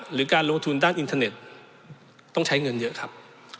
หรือการลงทุนด้านอินเทอร์เน็ตต้องใช้เงินเยอะครับ